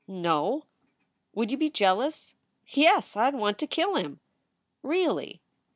"No." "Would you be jealous?" "Yes! I d want to kill him." "Really?"